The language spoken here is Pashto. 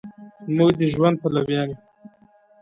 مونږ د ژوند پلویان یو